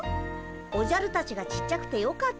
おじゃるたちがちっちゃくてよかったよ。